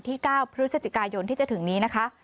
๙พฤศจิกายนที่จะถึงนี้นะคะ